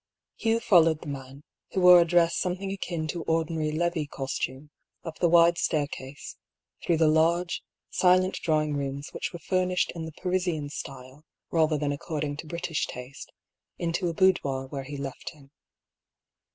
Hugh followed the man, who wore a dress something akin to ordinary levee costume, up the wide staircase, through the large, silent drawing rooms which were furnished in the Parisian style rather than according to British taste, into a boudoir where he left him.